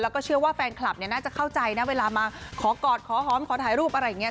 แล้วก็เชื่อว่าแฟนคลับเนี่ยน่าจะเข้าใจนะเวลามาขอกอดขอหอมขอถ่ายรูปอะไรอย่างนี้